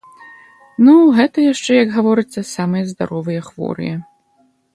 Ну гэта яшчэ, як гаворыцца, самыя здаровыя хворыя.